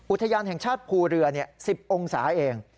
อุทยานแห่งชาติภูเรือ๑๐องศาเอง